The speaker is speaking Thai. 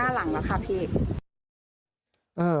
หลังแล้วค่ะพี่